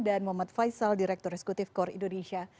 dan mohd faisal direktur reskutif kor indonesia